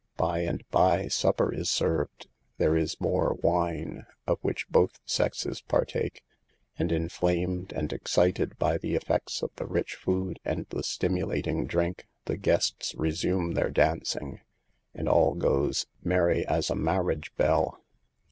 By and by supper is served ; there is more wine, of which both sexes par take , and, inflamed and excited by the effects of the rich food and the stimulating drink, the guests resume their dancing, and all goes " merry as a marriage bell."